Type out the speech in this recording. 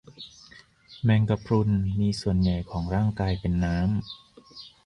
แมงกะพรุน มีส่วนใหญ่ของร่างกายเป็นน้ำ